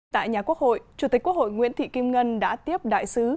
tại nhà quốc hội chủ tịch quốc hội nguyễn thị kim ngân đã tiếp đại sứ